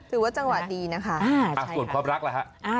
ส่วนความรักละฮะ